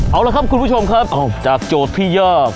เอาละครับคุณผู้ชมครับจากโจทย์ที่ยาก